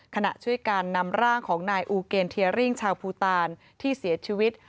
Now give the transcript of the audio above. ขณะช่วยการนำร่างของนายอูเกณฑ์เทียริ่งชาวภูตานที่เสียชีวิต